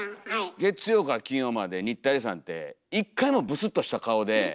月曜から金曜まで新田恵利さんって一回もブスッとした顔で。